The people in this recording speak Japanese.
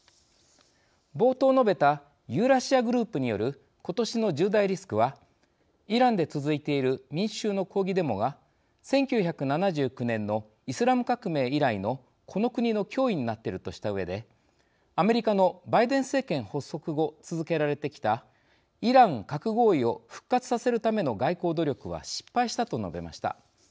冒頭述べたユーラシア・グループによる今年の１０大リスクはイランで続いている民衆の抗議デモが１９７９年のイスラム革命以来のこの国の脅威になっているとしたうえでアメリカのバイデン政権発足後続けられてきたイラン核合意を復活させるための外交努力は失敗したと述べました。